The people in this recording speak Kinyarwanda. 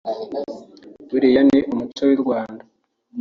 …buriya ni umuco w’i Rwanda